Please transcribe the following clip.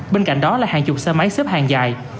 bên cạnh đó là hàng chục xe máy xếp hàng dài